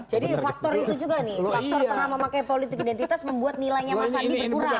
faktor itu juga nih faktor pernah memakai politik identitas membuat nilainya mas andi berkurang